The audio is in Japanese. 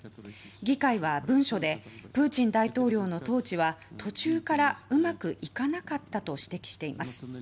議会は文書でプーチン大統領の統治は途中からうまくいかなかったと指摘しています。